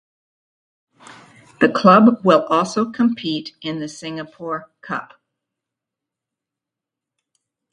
The club will also compete in the Singapore Cup.